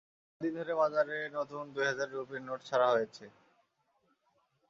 চার দিন ধরে বাজারে নতুন দুই হাজার রুপির নোট ছাড়া হয়েছে।